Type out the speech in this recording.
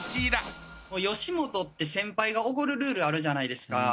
吉本って先輩がおごるルールあるじゃないですか。